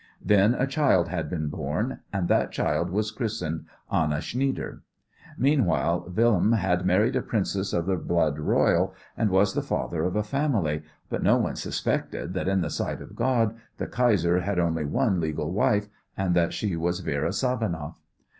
Then a child had been born, and that child was christened Anna Schnieder. Meanwhile William had married a Princess of the Blood Royal, and was the father of a family, but no one suspected that in the sight of God the Kaiser had only one legal wife, and that she was Vera Savanoff.